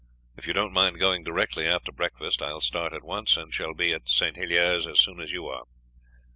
If you don't mind going directly after breakfast I will start at once, and shall be at St. Helier's as soon as you are."